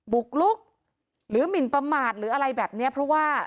บุกลุกหรือหมินประมาทหรืออะไรแบบนี้เพราะว่า